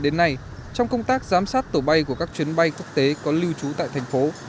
đến nay trong công tác giám sát tổ bay của các chuyến bay quốc tế có lưu trú tại thành phố